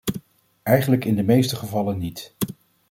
Eigenlijk in de meeste gevallen niet.